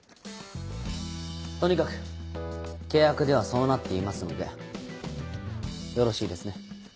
とにかく契約ではそうなっていますのでよろしいですね？